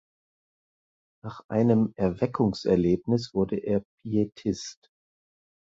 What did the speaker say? Nach einem Erweckungserlebnis wurde er Pietist.